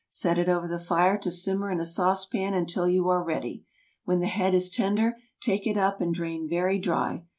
Set it over the fire to simmer in a saucepan until you are ready. When the head is tender, take it up and drain very dry.